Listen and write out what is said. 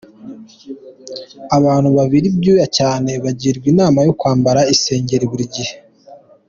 Abantu babira ibyuya cyane bagirwa inama yo kwambara isengeri buri gihe.